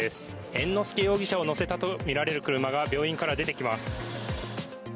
猿之助容疑者を乗せたとみられる車が病院から出てきます。